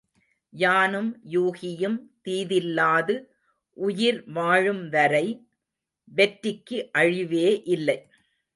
யானும் யூகியும் தீதில்லாது உயிர் வாழும்வரை வெற்றிக்கு அழிவே இல்லை.